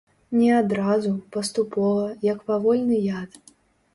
Не адразу, паступова, як павольны яд.